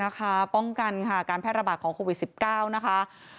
นะคะป้องกันการแพทย์ระบาดของโควิด๑๙นะคะ